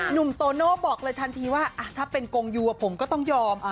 หนุ่มโตโน่บอกเลยทันทีถ้าเป็นกงยูดิว่าผมต้องยอม